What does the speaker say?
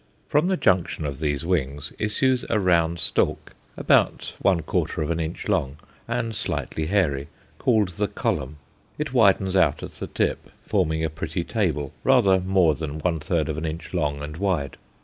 From the junction of these wings issues a round stalk, about one quarter of an inch long, and slightly hairy, called the "column." It widens out at the tip, forming a pretty table, rather more than one third of an inch long and wide.